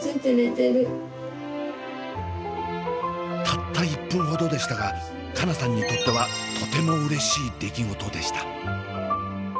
たった１分ほどでしたが佳奈さんにとってはとてもうれしい出来事でした。